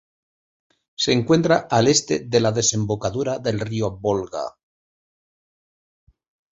Se encuentra al este de la desembocadura del río Volga.